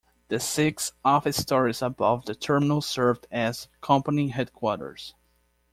The six office stories above the terminal served as company headquarters.